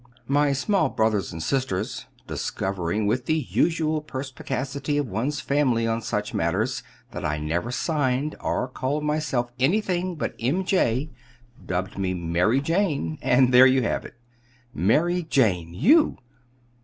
My small brothers and sisters, discovering, with the usual perspicacity of one's family on such matters, that I never signed, or called myself anything but 'M. J.,' dubbed me 'Mary Jane.' And there you have it." "Mary Jane! You!"